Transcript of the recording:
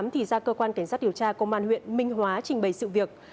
thì ra cơ quan cảnh sát điều tra công an huyện minh hóa trình bày sự việc